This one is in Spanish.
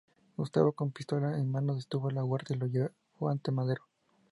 Gustavo con pistola en mano detuvo a Huerta y lo llevó ante Madero.